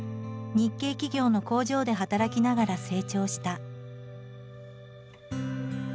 日系企業の工場で働きながら成長した。